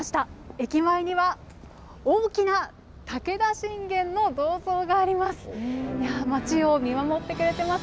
駅前には大きな武田信玄の銅像があります。